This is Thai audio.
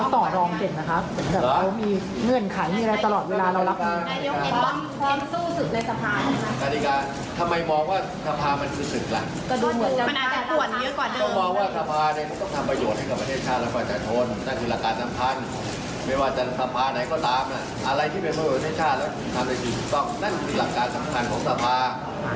ก็ว่าสภาเนี่ยก็ต้องทำประโยชน์ให้กับประเทศชาตร์แล้วก็จะทน